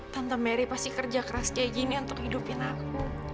tante mary pasti kerja keras kayak gini untuk hidupin aku